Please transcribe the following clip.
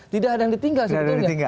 tidak ada yang ditinggal sebetulnya